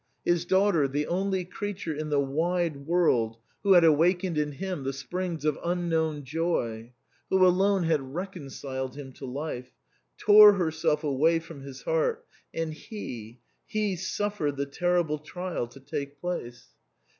His daughter, the only creature in the wide world who had awakened in him the springs of unknown joy, who alone had reconciled him to life, tore herself away from his heart, and he — he suffered the terrible trial to take place.